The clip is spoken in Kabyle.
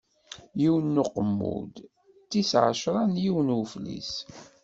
Yiwen n Uqemmud, d tis ɛecṛa n yiwen n Uflis.